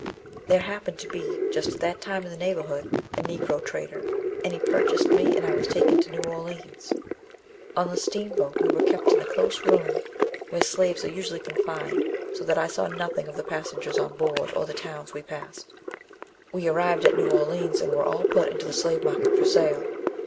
There happened to be just at the time in the neighbourhood a Negro trader, and he purchased me, and I was taken to New Orleans. On the steamboat we were kept in a close room, where slaves are usually confined, so that I saw nothing of the passengers on board, or the towns we passed. We arrived at New Orleans, and were all put into the slave market for sale.